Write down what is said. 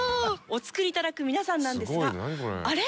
お作りいただく皆さんなんですがあれ？